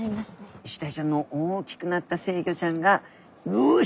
イシダイちゃんの大きくなった成魚ちゃんが「よし！